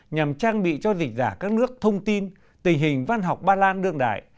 nhằm trang bị cho dịch giả các nước thông tin tình hình văn học ba lan đương đại